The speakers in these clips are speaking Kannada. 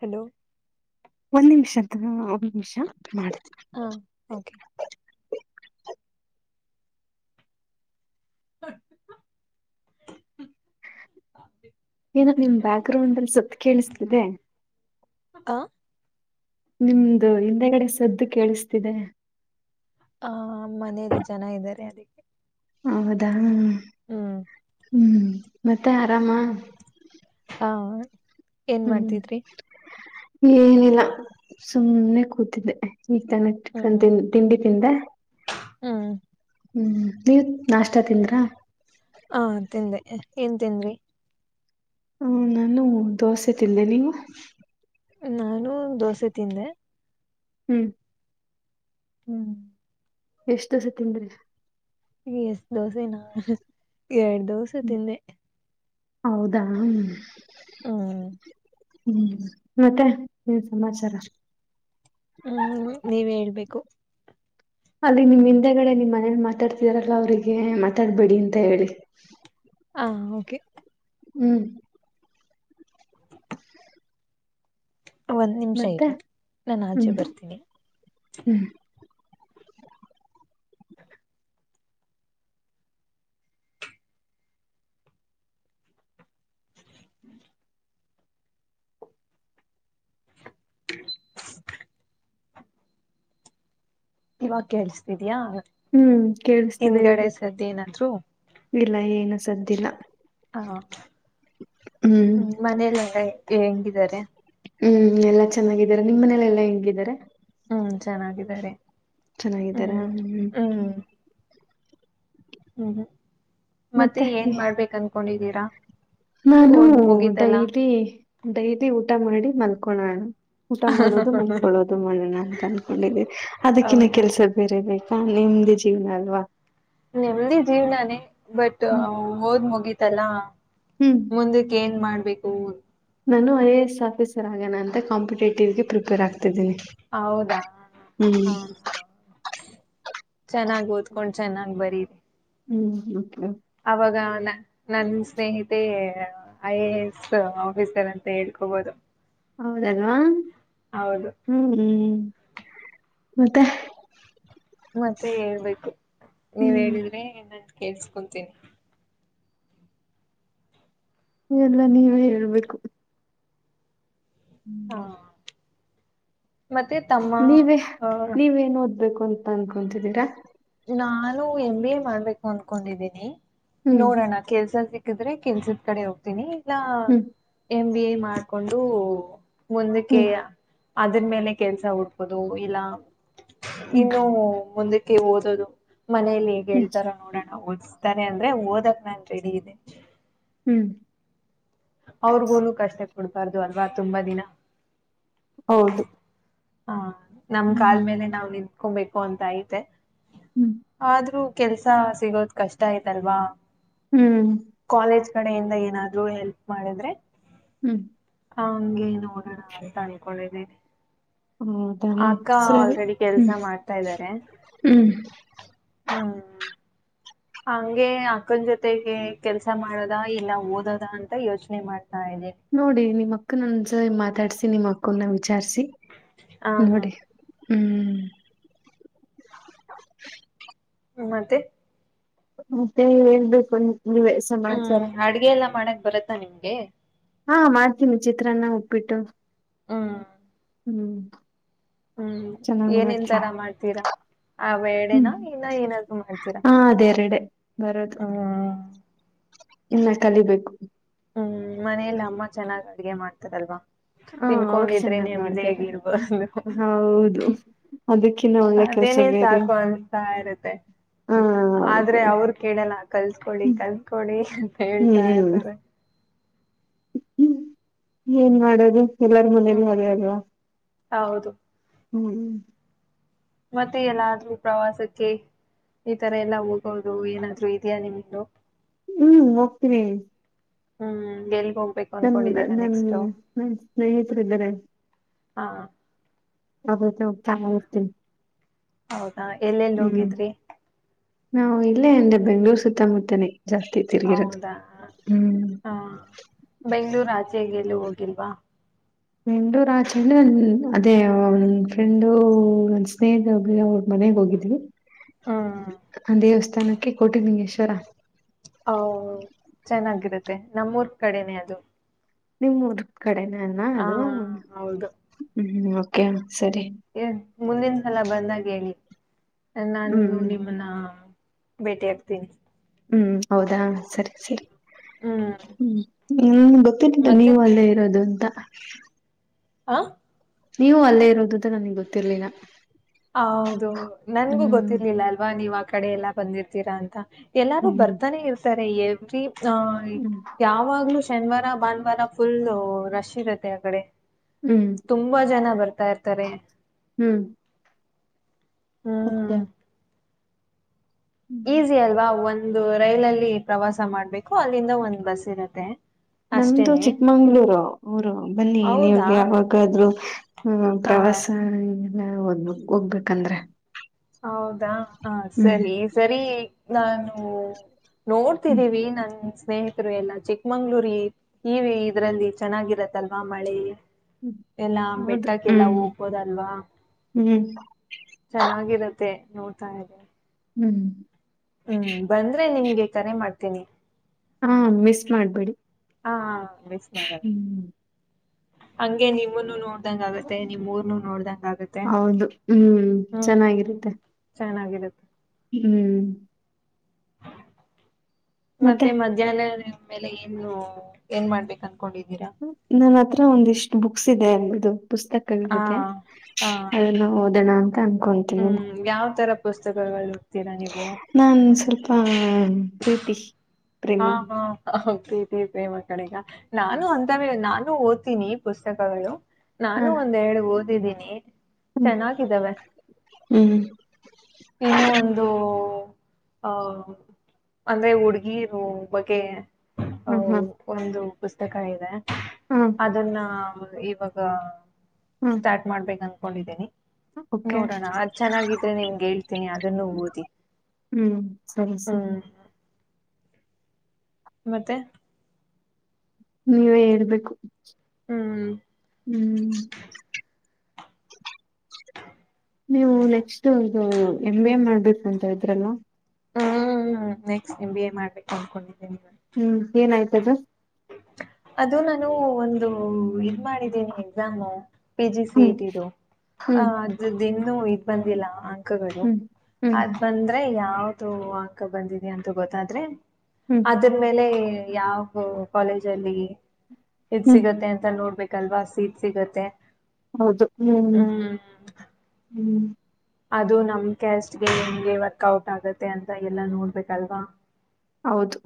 ಹಲೋ ಒಂದ್ ನಿಮಿಷದ ಒಂದ ನಿಮಿಷ ಮಾಡ ಹಾ ಕೆ ಹ ಏನ ನಿಮ್ ಬ್ಯಾಕ್ ಗ್ರೌಂಡ್ ಅಲ್ಲಿ ಸತ್ ಕೇಳಿಸ್ತಿದೆ ಹಾ ನಿಮ್ದು ಹಿಂದೆಗಡೆ ಸದ್ದು ಕೇಳಿಸ್ತಿದೆ ಹ ಮನೇಲಿ ಜನ ಇದ್ದಾರೆ ಅದಕ್ಕೆ ಹೌದಾ ಹ್ಮ್ ಹ್ಮ್ ಹ್ಮ್ ಮತ್ತೆ ಆರಾಮ ಹಾ ಏನ್ ಹ್ಮ್ ಮಾಡ್ತಿದ್ರಿ ಏನಿಲ್ಲ ಸುಮ್ನೆ ಕೂತಿದ್ದೆ ಈ ಕ ತಿಂಡಿ ತಿಂದ [unintelligible] ಹಾ [unintelligible] ಹ್ಮ್ ನೀವ ನಾಷ್ಟ ತಿಂದ್ರಾ ಹಾ ತಿಂದೆ ಏನ್ ತಂದಿ ಹ ನಾನು ದೋಸೆತಿಲ್ಲೆ ನೀವು ನಾನು ದೋಸೆ ತಿಂದೆ ಹ್ಮ್ ಹ್ಮ್ ಎಷ್ಟ ದೋಸೆ ತಿಂದಿರಿ ಈಗ ಎಷ್ಟ ದೋಸೆ ನ ಎರಡು ದೋಸೆ ತಿಂದೆ ಹೌದಾ ಹ್ಮ್ ಹ್ಮ್ ಹ್ಮ್ ಮತ್ತೆ ನೀನ್ ಸಮಾಚಾರ ಹ್ಮ್ ನೀವೇ ಹೇಳ್ಬೇಕು ಅಲ್ಲಿ ನಿಮ್ ಹಿಂದೆಗಡೆ ನಿಮ್ ಮನೇಲಿ ಮಾತಾಡ್ತಿದರಲ್ಲ ಅವ್ರಿಗೆ ಮಾತಾಡ್ಬೇಡಿ ಅಂತ ಹೇಳಿ ಹ ಓಕೆ ಹ್ಮ್ ಒಂದ್ ನಿಮಿಷ ಮತ್ತೆ ಇರಿ ನಾನು ಆಚೆ ಹ್ಮ್ ಬರ್ತೀನಿ ಹ್ಮ್ ಹ್ಮ [unintelligible] ಇವಾಗ ಕೇಳಿಸತಿದಿಯಾ ಹ್ಮ್ ಕೇಳಿಸ್ತಿದೆ ಹೇಳಿ ಏನಾದ್ರು ಇಲ್ಲ ಏನು ಸದ್ದಿಲ್ಲ ಹಾ ಹ್ಮ್ ಮನೇಲೆಲ್ಲ ಹೆಂಗಿದ್ದಾರೆ ಚೆನ್ನಾಗಿದ್ದಾರೆ ನಿಮ್ಮ ಮನೇಲೆ ಎಲ್ಲಾ ಹೆಂಗಿದ್ದಾರೆ ಹ್ಮ್ ಚೆನ್ನಾಗಿದ್ದಾರೆ ಹ್ಮ್ ಹ್ಮ್ ಹ್ಮ್ ಮತ್ತೆ ಏನ್ ಮಾಡ್ಬೇಕ ಅನ್ಕೊಂಡಿದ್ದೀರಾ [unintelligible] ನಾನು ಓದ್ ಮುಗೀತಲ್ಲ ಡೈಲಿ ಡೈಲಿ ಊಟ ಮಾಡಿ ಮಲ್ಕೋಣಣ ಊಟ ಮಾಡೋದು ಮಂದ್ಕೊಳ್ಳೋದು ಮಾಡೋಣ ಅಂತ ಅನ್ಕೊಂಡಿದಿ ಅದಕ್ಕಿನ ಹೌದಾ ಕೆಲ್ಸ ಬೇರೆ ಬೇಕ ನ ನಿಮ್ದಿ ಜೀವನ ಅಲ್ವಾ [unintelligible] ನಿಮ್ದಿ ಜೀವ್ನಾನೇ ಬಟ್ ಹ್ಮ್ ಹೋದ್ ಮುಗೀತಲ್ಲಾ ಹ್ಮ್ [unintelligible] ಮುಂದಕ್ಕೆ ಏನ್ ಮಾಡ್ಬೇಕು ನಾನು ಐ ಎ ಎಸ್ ಆಫೀಸರ್ ಆಗಣ ಅಂತ ಕಾಂಪಿಟೇಟಿವ್ ಗೆ ಪ್ರಿಪೇರ್ ಆಗ್ತ ತಿದ್ದೀನಿ ಹೌದಾ ಹ್ಮ್ [unintelligible] ಚೆನ್ನಾಗಿ ಓದ್ಕೊಂಡು ಚೆನ್ನಾಗ್ ಬರೀರಿ ಹ್ಮ್ ಅವಾಗ ನನ್ ಸ್ನೇಹಿತೆ ಐ ಎ ಎಸ್ ಆಫೀಸರ್ ಅಂತ ಹೇಳ್ಕೋಬೋದು ಹೌದಲ್ವಾ ಹೌದು ಹ್ಮ್ ಹ್ಮ್ ಮತ್ತೆ ಮತ್ತೆ ಹೇಳ್ಬೇಕು ನೀವ್ ಹ್ಮ್ ಹೇಳಿದ್ರೆ ನಂತ ಕೇಳ್ಸ್ಕೊಂತೀನಿ ಎಲ್ಲ ನೀವೇ ಹೇಳ್ಬೇಕು ಹ್ಮ್ [unintelligible] ಹ ಮತ್ತೆ ತಮ್ಮ ನೀವೇ ಆ ನೀವೇನ್ ಓದ್ಬೇಕು ಅಂತ ಅನ್ಕೊತಿದ್ದೀರಾ ನಾನು ಎಮ್ ಬಿ ಎ ಮಾಡ್ಬೇಕು ಅನ್ಕೊಂಡಿದ್ದೀನಿ ಹ್ಮ್ ನೋಡೋಣ ಕೆಲ್ಸ ಸಿಗು ಕೆಲ್ಸದ ಕಡೆ ಹೋಗ್ತೀನಿ ಇಲ್ಲ ಹ್ಮ್ ಎಮ್ ಬಿ ಎ ಮಾಡ್ಕೊಂಡು ಮುಂದಕ್ಕೆ ಹ್ಮ್ ಅದ್ರ ಮೇಲೆ ಕೆಲ್ಸ ಹುಡ್ಕೊಡು ಇಲ್ಲ ಹ್ಮ್ ಇನ್ನು ಮುಂದಕ್ಕೆ ಓದೋದು ಮನೇೆಯಲ್ಲಿ ಹೇಗ್ ಹ್ಮ್ ಹೇಳ್ತಾರ ನೋಡೋಣಓದ ಸಾನ ಅಂದ್ರೆ ಓದಕ್ ನಾನ್ ರೆಡಿ ಇದೆ [unintelligible] ಹ್ಮ್ ಅವ್ರಗೂನು ಕಷ್ಟ ಕೊಡ್ಬಾರ್ದು ಅಲ್ವಾ ತುಂಬಾ ದಿನ ಹೌದು ಹ ನಮ್ ಹ್ಮ್ ಕಾಲ್ ಮೇಲೆ ನಾವ್ ನಿಂಕೊಬೇಕು ಅಂತ ಐತೆ ಹ್ಮ್ ಆದ್ರೂ ಕೆಲ್ಸ ಸಿಗೋದ್ ಕಷ್ಟ ಆಯ್ತಲ್ವಾ ಹ್ಮ್ ಕಡೆಯಿಂದ ಏನಾದ್ರೂ ಹೆಲ್ಪ್ ಮಾಡಿದ್ರೆ ಹ್ಮ್ ಹ ಹಂಗೆ ನೋಡೋಣ ಅಂತ ಅನ್ಕೊಂಡಿದೀನಿ ಹೌದಾ ಅಕ್ಕ ಸರಿ ಆಲ್ರೆಡಿ ಕೆಲ್ಸ ಹ್ಮ್ ಮಾಡ್ತಾ ಇದ್ದಾರೆ ಹ್ಮ್ ಹ್ಮ ಹಂಗೆ ಅಕ್ಕನ್ ಜೊತೆಗೆ ಕೆಲಸ ಮಾಡದ ಇಲ್ಲ ಓದೋದ ಅಂತ ಯೋಚನೆ ಮಾಡ್ತ ನೋಡಿ ನಿಮ್ಮ ಅಕ್ಕ ಒನ್ಸ್ ಮಾತಾಡ್ಸಿ ನಿಮ್ಮ ಅಕ್ಕ ವಿಚಾರಸಿ ಹ ನೋಡಿ ಹ್ಮ್ ಮತ್ತೆ ಮತ್ತೆ ಹೇಳ್ಬೇಕು ನೀವೆ ಸಮಾಚಾರ ಬರುತ್ತಾ ನಿಮ್ಗೆ ಹಾ ಮಾಡ್ತೀನಿ ಚಿತ್ರಾನ್ನ, ಉಪ್ಪಿಟ್ಟು ಹ್ಮ್ ಹ್ಮ್ ಹ್ಮ್ ಚೆನ್ನಾಗ್ ಏನೇನ್ ಮಾಡ್ತೀನಿ ತರ ಮಾಡ್ತೀರಾ ಆವೆರಡೆನ ಹ್ಮ್ ಇನ್ನ ಏನಾದ್ರೂ ಮಾಡ್ತೀರಾ? ಹಾ ಅದೆರಡೆ ಬರೋದು ಹ್ಮ್ ಇನ್ನ ಕಲಿಬೇಕು. ಹ್ಮ್ ಮನೆಯಲ್ಲಿ ಅಮ್ಮ ಚೆನ್ನಾಗ್ ಅಡುಗೆ ಮಾಡ್ತಾರಲ್ವಾ‌. ಹ ಅವ್ರು ತಿನ್ಕೊಂಡಿದ್ರೆ ಚೆನ್ನಾಗ್ ನೆಮ್ಮದಿಯಾಗಿ ಮಾಡ್ತಾರೆ ಇರಬಹುದು. ಹೌದು ಅದಕ್ಕಿನ್ನ ಒಳ್ಳೆ ಕೆಲ್ಸ ಅದೇನೆ ಬೇರೆ ಸಾಕು ಅನಿಸ್ತಾ ಇರುತ್ತೆ ಹಾ ಹೌದು ಆದ್ರೆ ಅವರು ಕೇಳಲ್ಲ ಕಲಿತುಕೊಳ್ಳಿ ಕಲಿತುಕೊಳ್ಳಿ ಅಂತ ಹೇಳ್ತಾ ಇರ್ತಾರೆ. [unintelligible] ಹ್ಮ್ ಏನ್ ಮಾಡೋದು ಎಲ್ಲಾರ್ ಮುಂದೆನೂ ಹ್ಮ್ ಹೊರದು ಹೌದು ಹ್ಮ್ ಮತ್ತೆ ಎಲ್ಲಾದ್ರೂ ಪ್ರವಾಸಕ್ಕೆ ಈ ತರ ಎಲ್ಲಾ ಹೋಗೋರು ಏನಾದ್ರು ಇದೆಯಾ ನಿಮ್ದು ಹ್ಮ್ ಹೋಗ್ತೀನಿ ಹ್ಮ್ ಎ ನನ್ ನನ್ ನನ್ ಸ್ನೇಹಿತರು ಇದ್ದಾರೆ ಹಾ ಅದು ಹೋಗ್ತಾ ಹೋಗ್ತಾ ಹೋಗಿರತ್ತೀನಿ ಹೌದಾ ಎಲ್ಲೆಲ್ಲಿ ಹೋಗಿದ್ರಿ ನಾವು ಇಲ್ಲೇ ಇಲ್ಲೇ ಬೆಂಗಳೂರು ಸುತ್ತಮುತ್ತಾನೆ ಹೌದಾ ಹಾ ಬೆಂಗಳೂರು ಆಚೆೆಗೆ ಎಲ್ಲೂ ಹೋಗಿಲ್ವಾ ನಂಡೂರ ಚಂದು ನನ್ ಅದೇ ನ ಫ್ರೆಂಡು ನ ಸ್ನೇಹಿತ ಒಬ್ ಹ್ಮ್ ಹೋಗಿದ್ವಿ ಹ್ಮ್ ಆ ದೇವಸ್ಥಾನಕ್ಕೆ ಕೋಟಿಲಿಂಗೇಶ್ವರ. ಓ ಚೆನ್ನಾಗಿರುತ್ತೆ ನಮ್ಮೂರ್ ಕಡೆನೆ ಅದು ನಿಮ್ಮೂರ್ ಕಡೆನ ಹಾ ಅದು ಅದು ಹೌದು ಹ್ಮ ಓಕೆ ಸರಿ ಏ ಮುಂದಿನ ಸಲ ಬಂದಾಗ ಹೇಳಿ ನಾನು ಹ್ಮ್ ಇನ್ನು ಹ್ಮ್ ನಿಮ್ಮನ್ನ ಭೇಟಿಯಾಗ್ತೀನಿ ಹ್ಮ್ ಹೌದಾ ಸರಿ ಸರಿ ಹ್ಮ್ ಹ್ಮ [unintelligible] ಗೊತ್ತಿರಲ್ಲಿಲ್ಲ ಮತ್ತೆ ನೀವು ಅಲ್ಲೇ ಇರೋದು ಅಂತ. ಆ ನೀವು ಅಲ್ಲೇ ಇರೋದು ಅಂತ ನನಗ್ ಗೊತ್ತಿರ್ಲಿಲ್ಲ ಹ ಹೌದು ನನಗೂ ಹ್ಮ್ ಗೊತ್ತಿರ್ಲಿಲ್ಲ ಅಲ್ವಾ ನೀವ್ ಆ ಕಡೆ ಎಲ್ಲಾ ಬಂದಿರ್ತೀರಾ ಅಂತ. ಎಲ್ಲಾರು ಹ್ಮ್ ಬರ್ತಾನೆ ಇರ್ತಾರೆ ಎವ್ರಿ ವಿ ಆ ಹ್ಮ್ ಯಾವಾಗ್ಲೂ ಶನಿವಾರ ಭಾನವಾರ ಪುಲ್ ರಶ್ ಇರುತ್ತೆ ಆ ಕಡೆ ಹ್ಮ್ ತುಂಬಾ ಜನ ಬರ್ತಾ ಇರತ್ತಾರೆ ಹ್ಮ್ ಓಕೆ ಹ್ಮ್ ಈಸಿ ಅಲ್ವಾ ಒಂದು ರೈಲ ಅಲ್ಲಿ ಪ್ರವಾಸ ಮಾಡ್ಬೇಕು ಅಲ್ಲಿಂದ ಒಂದ್ ಬಸ್ ಇರುತ್ತೆ. ನಮ್ದು ಚಿಕ್ಕಮಂಗಳೂರು ಊರು ಬನ್ನಿ ಹೌದಾ ನಿಮಗೆ ಯಾವಾಗಾದ್ರೂ ಪ್ರ ಆ, ವಾಸ ಎಲ್ಲಾ ಹೋಗ್ಬೇಕಂದ್ರೆ ಹೌದಾ ಹ ಹ್ಮ್ ಸರಿ ಸರಿ ನಾನು. ಹ್ಮ್ ನೋಡ್ತಿದೀವಿ ನನ್. ಸ್ನೇಹಿತ್ರು ಎಲ್ಲ ಚಿಕ್ಕಮಂಗ್ಳೂರಿ ಈ ಇದ್ರಲ್ಲಿ ಚೆನ್ನಾಗಿರತ್ತಲ್ವಾ ಮಳೆಲಿ. ಎಲ್ಲ ಹೌದು ಬೆಟ್ಟಕ್ಕೆಲ್ಲ ಹ್ಮ್ ಹೋಗ್ಬೊದಲ್ವಾ. ಹ್ಮ್ ನೋಡ್ತಾ ಇದಿನಿ ಹ್ಮ್ ಹ್ಮ್ ಬಂದ್ರೆ ನಿಮ್ಗೆ ಕರೆ ಮಾಡ್ತೀನಿ. ಹ್ಮು ಮಿಸ್ ಮಾಡ್ಬೇಡಿ. ಹಾ ಮಿಸ್ ಮಾಡಲ್ಲ ಹ್ಮ್ ಹಂಗೆ ನಿಮ್ಮನ್ನು ನೋ ನಿಮ್ಮುರ್ನು ನೋಡ್ದಂಗ ಆಗತ್ತೆ ಹೌದು ಹ್ಮ್ ಹ್ಮ್ ಚೆನ್ನಾಗಿರುತ್ತೆ ಚೆನ್ನಾಗಿ ಹ್ಮ್ ಮತ್ತೆ ಮಧ್ಯಾಹ್ನ ಮೇಲೆ ಏನು ಏನ್ ಮಾಡ್ಬೇಕಂ ನನ್ ಹತ್ರ ಒಂದಿಷ್ಟ್ ಬುಕ್ಸ್ ಇದೆ ಅ ಹಾ ಪುಸ್ತಕಗಳಿದೆ ಹ ಅದೆಲ್ಲಾ ಓದೋಣ - - ಹ್ಮ್ ಯಾವ್ ತರ ಪುಸ್ತಕಗಳ್ [unintelligible] ನೀವು ನಾನ್ ಸ್ವಲ್ಪ ಪ್ರೀತಿ. ಪ್ರೇಮ ಹಾ ಹಾ ಪ್ರೀತಿ ಪ್ರೇಮ ಕಡೆಗ ನಾನು ಅಂತವೆ ನಾನು ಓದ್ತೀನಿ ಪುಸ್ತಕಗಳು. ನಾನು ಹ ಒಂದ್ ಎರಡ್ ಓದಿದ್ದೀನಿ. ಹ್ಮ್ ಚೆನ್ನಾಗಿದ್ದಾವೆ ಹ್ಮ್ ಇನ್ನು ಒಂದು ಹ ಅಂದ್ರೆ ಹುಡ್ಗೀರು ಬಗ್ಗೆ ಔ ಹ್ಮ್ ಹ್ಮ್ ಒಂದು ಪುಸ್ತಕ ಇದೆ ಹ್ಮ್ ಅದನ್ನ. ಇವಾಗ ಹ್ಮ್ ಸ್ಟಾರ್ಟ್ ಮಾಡ್ಬೇಕ್ ಅನ್ಕೊಂಡಿದ್ದಿನಿ ಓಕೆ ನೋಡೋಣ ಅದ್ ಚೆನ್ನಾಗಿದ್ರೆ ನಿಮ್ಗೆ ಹೇಳ್ತೀನಿ ಅದನ್ನು ಓದಿ. ಹ್ಮ್ ಸರಿ ಸರಿ ಹ್ಮ್ ಮತ್ತೆ ನೀವೇ ಹೇಳ್ಬೇಕು ಹ್ಮ್ ಹ್ಮ್ ನೀವು ನೆಕ್ಸ್ಟ್ ಇದು ಎಮ್ ಬಿ ಎ ಮಾಡ್ಬೇಕು ಅಂತ ಇದ್ರಲ್ಲ. ಹ್ಮ್ ನೆಕ್ಸ್ಟ್ ಎಂ ಬಿ ಎ ಮಾಡ್ಬೇಕು ಅನ್ಕೊಂಡಿದ್ದೆ ಹ್ಮ್ ಏನ್ ಆಯ್ತಕ ಅದು ನಾನು ಒಂದು ಇದ್ ಮಾಡಿದ್ದೇನಿ ಎಕ್ಸಾಮು. ಪಿ ಜಿ ಸಿ ಹ್ಮ್ ಇಟಿದು ಹ್ಮ್ ಅದ್ರದ್ದಿನ್ನು ಇನ್ನು ಇದು ಬಂದಿಲ್ಲ. ಅಕ್ಕಗಳು ಹ್ಮ್ ಹ್ಮ್ ಅದ್ ಬಂದ್ರೆ ಯಾವ್ದು ಅಕ್ಕ ಬಂದಿದೆ ಅಂತ ಗೊತ್ತಾದ್ರೆ. ಹ್ಮ್ ಅದ್ರ ಮೇಲೆ ಯಾವು ಕಾಲೇಜಲ್ಲಿ. ಇದ್ ಹ್ಮ್ ಸಿಗತ್ತೆ ಅಂತ ನೋಡ್ಬೇಕಲ್ವಾ ಸಿಟ್ ಸಿಗತ್ತೆ. ಹೌದು ಹ್ಮ್ ಹ್ಮ್ ಅದು ನಮ್ ಕ್ಯಾಸ್ಟ್ಗೆ ಹೆಂಗೆ ವರ್ಕಓಟ್ ಆಗತ್ತೆ ಅಂತ ಎಲ್ಲ ನೋಡ್ಬೇಕಲ್ವಾ. ಹೌದು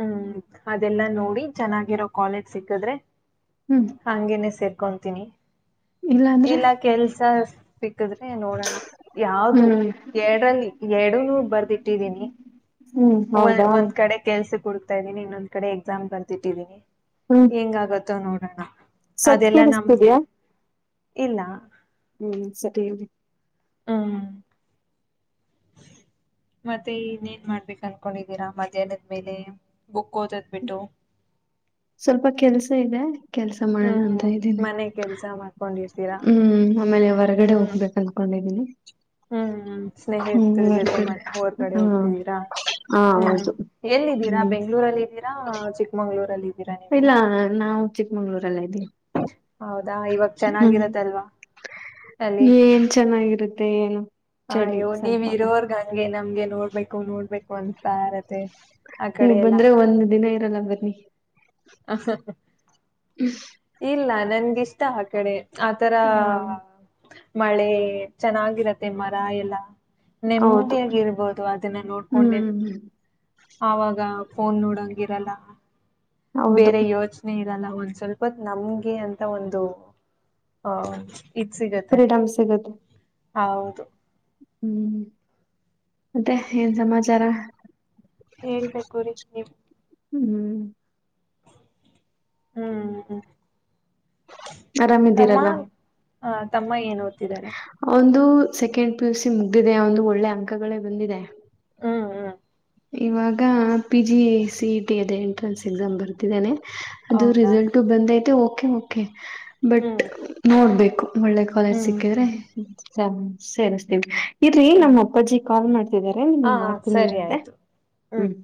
ಹ್ಮ್ ಅದೆಲ್ಲಾ ನೋಡಿ ಚೆನ್ನಾಗಿರೋ ಕಾಲೇಜ್ ಸಿಕ್ಕಿದ್ರೆ ಹ್ಮ್ ಹಂಗೇನೆ ಸರಿ. ಕೊಂತನಿ ಇಲ್ಲಾಂದ್ರೆ ಇಲ್ಲ ಕೆಲ್ಸ ಸಿಕ್ಕಿದ್ರೆ ನೋಡೋಣ ಯಾವ್ದು ಹ್ಮ್ ಎರಡಲ್ಲಿ ಎರಡುನೂ ಬರ್ದಿಟ್ಟಿದೀನಿ. ಹ್ಮ್ ಒ ಹೌದಾ ಒಂದ್ ಕಡೆ ಕೆಲ್ಸ ಹುಡುಕ್ತಾ ಇದೀನಿ ಇನ್ನೊಂದ ಕಡೆ ಎಕ್ಸಾಮ್ ಬರ್ದಿಟ್ಟಿದ್ದೀನಿ ಹ್ಮ್ ಹೆಂಗ ಆಗತ್ತೋ ನೋಡೋಣ. ಸತ್ ಅದೆಲ್ಲಾ ನಮ್ದು ಕೇಳಿಸ್ತಿದ್ಯಾ ಇಲ್ಲ. ಹ್ಮ್ ಸರಿ ಹ್ಮ [inaudible] ಮತ್ತೆ ಇನ್ನೇನ್ ಮಾಡ್ಬೇಕು ಅನ್ಕೊಂಡಿದ್ದೀರಾ ಮಧ್ಯಾಹ್ನದ್ಮೇಲೆ ಬುಕ್ ಓದದ್ ಬಿಟ್ಟು. [inaudible] ಸ್ವಲ್ಪ ಕೆಲ್ಸ ಇದೆ ಕೆಲ್ಸ ಮಾಡೋಣ ಹ್ಮ್ ಅಂತ ಹ್ಮ್ ಇದ್ದೀನಿ ಮನೆ ಕೆಲ್ಸ ಮಾಡ್ಕೊಂಡಿರ್ತೀರಾ ಹ್ಮ್ ಆಮೇಲೆ ಹೊರಗಡೆ ಹ್ಮ್ ಹೋಗ್ಬೇಕ ಅನ್ಕೊಂಡು ಿ ಹ್ಮ್ ಸ್ನೇಹಿ ಇರ್ತರ ಜೊತೆ ಮನೆ ಹೊರ್ಗಡೆ ಹ್ಮ ಹೋಗ್ತಿದ್ದೀರಾ ಹಾ ಹ್ಮ್ ಹೌದು ಎಲ್ಲಿ ಇದ್ದೀರಾ ಹ್ಮ್ ಬೆಂ್ಗಳೂರಲ್ಲಿ ಇದೀರಾ ಚಿಕ್ಕಮಂಗಗಳೂರಲ್ಲಿ ಇಲ್ಲ ನಾವು ಚಿಕ್ಮಂಗ್ಳೂರಲ್ಲ ಇದ್ದೀವಿ ಹೌದಾ ಇವಾಗ ಹ್ಮ್ ಚೆನ್ನಾಗಿರತ್ತಲ್ವಾ ಅಲ್ಲಿ ಏನ್ ಚೆನ್ನಾಗಿರುತ್ತೆ ಏನು ಅ ಚಳಿ ಅಯ್ಯೋ ನೀವ ಸ್ವಲ್ಪ ಇರೋರ್ಗ ಹಂಗೆ ನಮ್ಗೆ ನೋಡ್ಬೇಕು ನೋಡ್ಬೇಕು ಅಂತ ನೀವು್ ಬಂದ್ರೆ ಒಂದ್ ದಿನ ಇರಲ್ಲ ಬನ್ನಿ ಹ ಇಲ್ಲ ನನ್ಗಿಷ್ಟ ಆ ಕಡೆ ಆತರ ಹ ಮಳೆ ಚೆನ್ನಾಗಿರತ್ತೆ ಮರ ಎಲ್ಲ ಹೌದು ನೆಮ್ಮದಿಯಾಗಿ ಇರ್ಬೋದು ಅದನ್ನ ನೋಡ್ಕೊಂಡೆ ಹ್ಮ್ ಆಾಗ ಫೋನ್ ನೋಡಂಗಿರಲ್ಲ ಹೌದು ಬೇರೆ ಯೋಚನೆ ಇ ಲ್ಲ ಒಂದ್ ಸ್ವಲ್ಪ ನಮ್ಗೆ ಅಂತ ಒಂದು ಆಹ ಪರಿಣಾಮ ಸಿಗುತ್ತೆ ಹೌದು ಹ್ಮ್ ಮತ್ತೆ ಏನ್ ಸಮಾಚಾರ ಹೇಳ್ಬೇಕು ರೀ ನೀವು ಹ್ಮ್ ಹ್ಮ್ ಹ್ಮ್ ಹ ಆರಾಮಿದ್ದೀರಲ್ಲ ಹ ತಮ್ಮ ಏನ ಒಂದು ಸೆಕೆಂಡ್ ಪಿ ಯು ಸಿ ಮುಗ್ದಿದೆ ಒಂದು ಒಳ್ಳೆ ಅಂಕಗಳೇ ಬಂದಿದೆ ಹ್ಮ್ ಹ್ಮ್ ಇವಾಗ ಪಿ ಜಿ ಸಿ ಟಿ ಅಲ್ಲಿ ಎಂಟ್ರೆನ್ಸ್ ಎಕ್ಸಾಮ್ ಬರ್ತಿದ್ದೇನೆ ಅದು ಹೌದಾ ರಿಸಲ್ಟ್ ಬಂದ್ಐತೆ ಓಕೆ ಕೆ ಬಟ್ ಹ್ಮ್ ನೋಡ್ಬೇಕು ಒಳ್ಳೆ ಕಾಲೇಜ್ ಹ್ಮ್ ಸಿಕ್ಕಿದ್ರೆ ಹ್ಮ್ ಸೇಸ್ತೀವಿ ಇಲ್ರಿ ನಮ್ಮ ಹ್ಮ್ ಅಪ್ಪಾಜಿ ಕಾಲ್ ಮಾಡ್ತಿದಿದ್ದಾರೆ ಹಾ ನಿಮಗ್ ಮಾಡ್ತೀನಿ ಸರಿ ಮತ್ತೆ ಆಯ್ತು ಹ್ಮ್